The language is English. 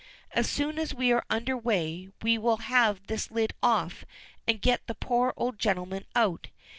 "As soon as we are under weigh we'll have this lid off and get the poor old gentleman out.